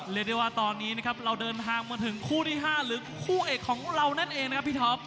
เรียกได้ว่าตอนนี้นะครับเราเดินทางมาถึงคู่ที่๕หรือคู่เอกของเรานั่นเองนะครับพี่ท็อป